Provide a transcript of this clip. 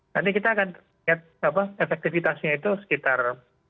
nanti kita akan lihat efektivitasnya itu sekitar